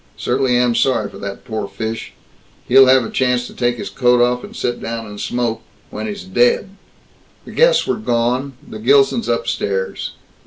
Certainly am sorry for that poor fish. He'll have a chance to take his coat off and sit down and smoke when he's dead!" The guests were gone; the Gilsons upstairs.